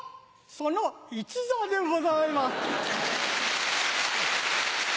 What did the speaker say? その一座でございます。